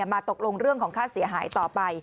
ตกลงเรื่องของค่าเสียหายต่อไป